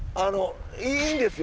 いいんですよ。